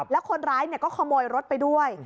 แล้วคนร้ายก็ขโมยรถไปด้วย